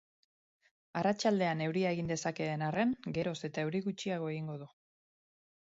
Arratsaldean, euria egin dezakeen arren, geroz eta euri gutxiago egingo du.